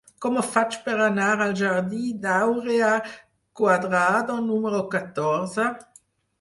Com ho faig per anar al jardí d'Áurea Cuadrado número catorze?